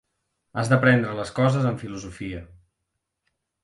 Has de prendre les coses amb filosofia.